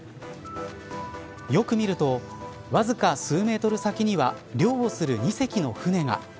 よく見るとわずか数メートル先には漁をする２籍の船が。